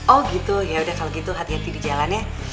oh gitu ya udah kalau gitu hati hati di jalan ya